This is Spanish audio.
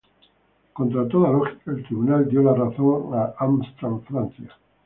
Contra toda lógica, el tribunal dio la razón a Amstrad Francia.